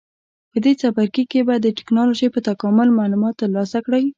په دې څپرکي کې به د ټېکنالوجۍ په تکامل معلومات ترلاسه کړئ.